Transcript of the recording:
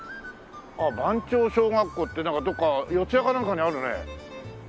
ああ番町小学校ってなんかどっか四谷かなんかにあるね。